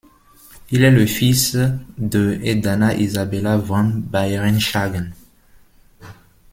Il est le fils de et d'Anna Isabella van Beieren-Schagen.